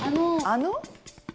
「あの」？